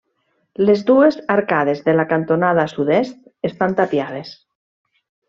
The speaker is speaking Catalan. Les dues arcades de la cantonada sud-est estan tapiades.